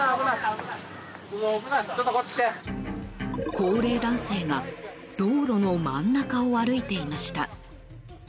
高齢男性が道路の真ん中を歩いていました。